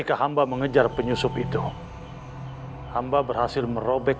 ampun gusti prabu